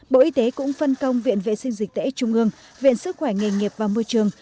bộ y tế cũng phân công viện vệ sinh dịch tễ trung ương viện sức khỏe nghề nghiệp và môi trường